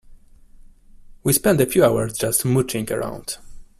We spent a few hours just mooching around.